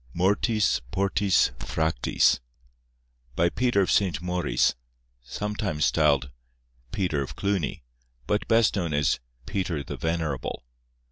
MORTIS PORTIS FRACTIS By Peter of St. Maurice, sometimes styled Peter of Cluny, but best known as Peter the Venerable.